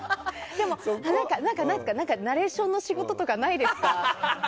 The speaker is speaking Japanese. でも、ナレーションの仕事とかないですか？